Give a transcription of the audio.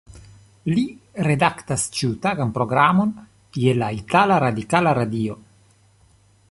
Li redaktas ĉiutagan programon je la itala Radikala Radio.